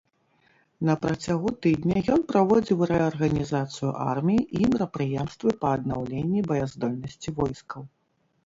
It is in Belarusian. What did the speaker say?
На працягу тыдня ён праводзіў рэарганізацыю арміі і мерапрыемствы па аднаўленні баяздольнасці войскаў.